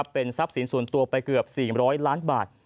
เป็นทรัพย์สินส่วนตัวไปเกือบ๔๐๐ล้านบาท